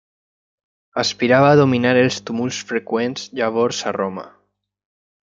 Aspirava a dominar els tumults freqüents llavors a Roma.